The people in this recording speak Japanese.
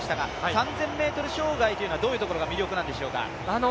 ３０００ｍ障害というのは、どういうところが魅力なんでしょうか。